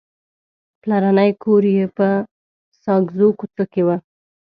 پلرنی کور یې په ساګزو کوڅه کې و.